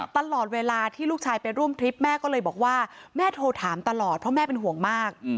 ตลอดเวลาที่ลูกชายไปร่วมทริปแม่ก็เลยบอกว่าแม่โทรถามตลอดเพราะแม่เป็นห่วงมาก